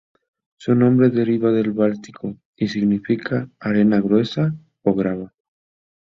Su nombre deriva del báltico, y significa "arena gruesa" o "grava".